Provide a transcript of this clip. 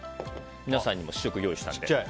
皆さんにも試食を用意しましたので。